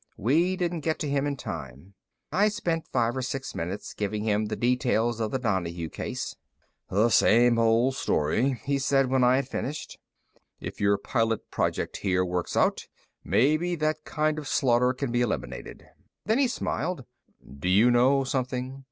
We didn't get to him in time." I spent five or six minutes giving him the details of the Donahue case. "The same old story," he said when I had finished. "If your pilot project here works out, maybe that kind of slaughter can be eliminated." Then he smiled. "Do you know something?